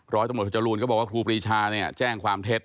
ร้อยตำรวจโทจรูนก็บอกว่าครูปรีชาเนี่ยแจ้งความเท็จ